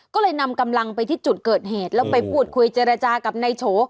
ก็เลยนำกำลังไปที่จุดเกิดเหตุแล้วไปพูดคุยเจรจากับนายโฉ